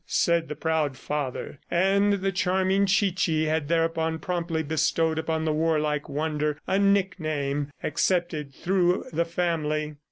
said the proud father ... and the charming Chichi had thereupon promptly bestowed upon the warlike wonder a nickname, accepted through the family.